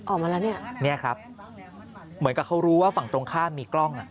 ออกมาแล้วเนี่ยครับเหมือนกับเขารู้ว่าฝั่งตรงข้ามมีกล้องอ่ะ